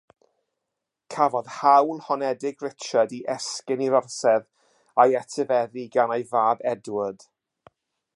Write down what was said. Cafodd hawl honedig Richard i esgyn i'r orsedd ei etifeddu gan ei fab Edward.